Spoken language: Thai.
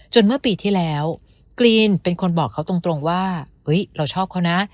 เมื่อปีที่แล้วกรีนเป็นคนบอกเขาตรงว่าเราชอบเขานะ